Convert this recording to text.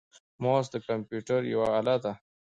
موس د کمپیوټر یوه اله ده.